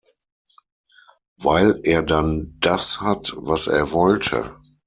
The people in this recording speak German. Weil er dann das hat, was er wollte.